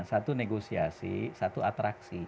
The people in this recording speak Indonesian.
satu negosiasi satu atraksi